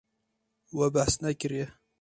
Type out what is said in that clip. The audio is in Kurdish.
We behs nekiriye.